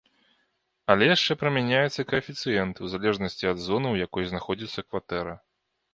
Але яшчэ прымяняецца каэфіцыент у залежнасці ад зоны, у якой знаходзіцца кватэра.